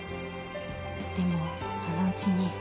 でも、そのうちに。